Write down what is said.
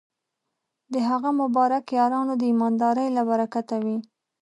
د هغه مبارک یارانو د ایماندارۍ له برکته وې.